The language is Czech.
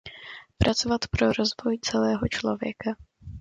Pracovat pro rozvoj celého člověka.